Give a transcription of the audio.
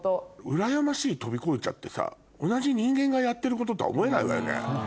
うらやましい飛び越えちゃってさ同じ人間がやってることとは思えないわよね。